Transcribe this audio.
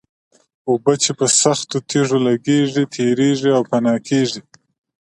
اوبه چې په سختو تېږو لګېږي تېرېږي او فنا کېږي.